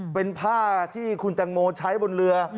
เป็นผ้าที่คุณแตงโมใช้บนเรือ